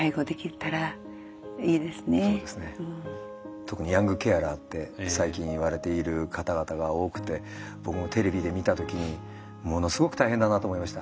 特にヤングケアラーって最近言われている方々が多くて僕もテレビで見た時にものすごく大変だなと思いました。